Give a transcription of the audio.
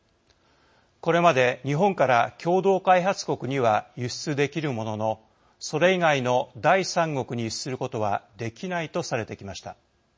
これまで日本から共同開発国には輸出できるもののそれ以外の第三国に輸出することはできないとされてきました。